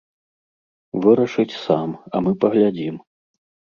Вырашыць сам, а мы паглядзім.